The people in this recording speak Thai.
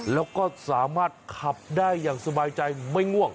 แล้วก็สามารถขับได้อย่างสบายใจไม่ง่วง